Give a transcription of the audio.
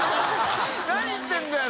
言ってるんだよ